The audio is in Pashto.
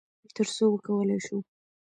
تر څو وکولی شو،